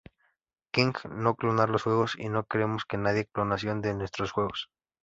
King no clonar los juegos, y no queremos que nadie clonación de nuestros juegos".